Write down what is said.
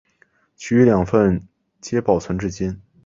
其余两份皆保存至今。